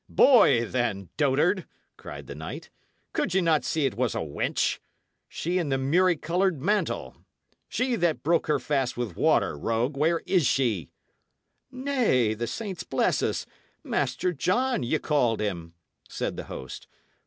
"Boy, then, dotard!" cried the knight. "Could ye not see it was a wench? She in the murrey coloured mantle she that broke her fast with water, rogue where is she?" "Nay, the saints bless us! Master John, ye called him," said the host.